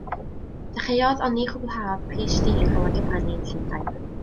Dechreuodd, ond ni chwblhaodd, PhD yng Ngholeg y Brenin, Llundain.